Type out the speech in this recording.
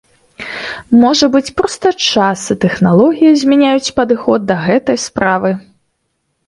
Можа быць проста час і тэхналогія змяняюць падыход да гэтай справы.